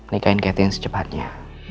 nikahin catherine secepatnya